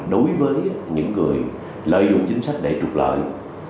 đối với những người lợi dụng chính sách để trục lợi